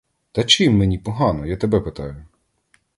Та чим мені погано, я тебе питаю?